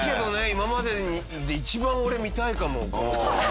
今までで一番俺見たいかもこの光景。